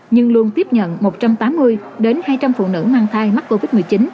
nhưng luôn tiếp nhận một trăm tám mươi đến hai trăm linh phụ nữ mang thai mắc covid một mươi chín